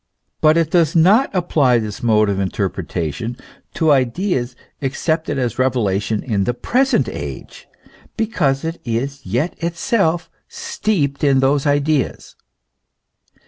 But it does not apply this mode of interpretation to ideas ac cepted as revelation in the present age, because it is yet itself steeped in those ideas.